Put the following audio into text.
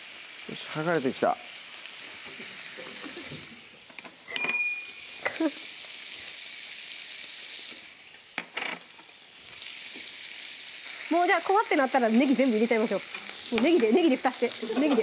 しっ剥がれてきたもうじゃあ怖ってなったらねぎ全部入れちゃいましょうねぎでねぎでふたしてねぎで！